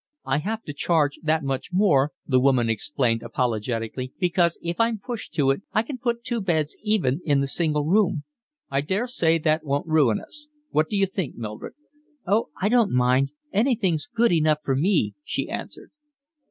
"I have to charge that much more," the woman explained apologetically, "because if I'm pushed to it I can put two beds even in the single rooms." "I daresay that won't ruin us. What do you think, Mildred?" "Oh, I don't mind. Anything's good enough for me," she answered.